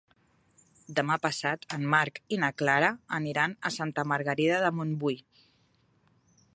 Demà passat en Marc i na Clara aniran a Santa Margarida de Montbui.